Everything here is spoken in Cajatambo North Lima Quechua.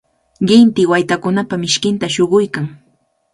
qinti waytakunapa mishkinta shuquykan.